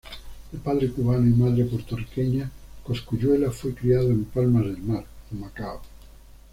De padre cubano y madre puertorriqueña, Cosculluela fue criado en Palmas del Mar, Humacao.